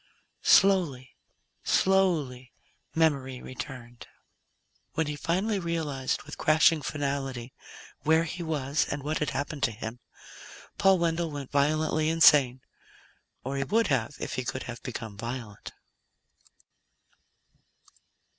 Slowly, slowly, memory returned. When he suddenly realized, with crashing finality, where he was and what had happened to him, Paul Wendell went violently insane. Or he would have, if he could have become violent.